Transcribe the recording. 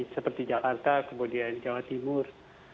seperti jakarta kemudian jawa timur